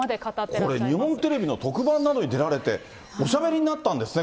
これ、日本テレビの特番に出られて、おしゃべりになられたんですね。